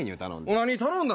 何頼んだ？